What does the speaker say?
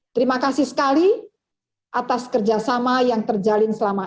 terima kasih sekali atas kerjasama yang terjalin selama ini